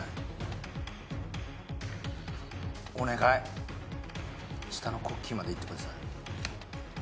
お願い下のクッキーまでいってください